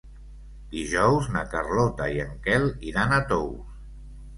Dijous na Carlota i en Quel iran a Tous.